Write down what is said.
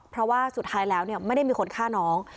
เพราะว่าสุดท้ายแล้วไม่ได้มีคนฆ่าน้อง